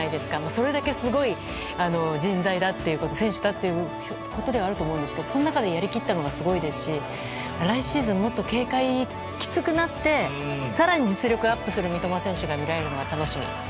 それだけすごい人材で選手だということではあると思うんですけどその中でやり切ったのがすごいですし来シーズンはもっと警戒がきつくなって、更に実力がアップする三笘選手が見られるのが楽しみ。